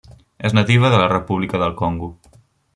És nativa de la República del Congo.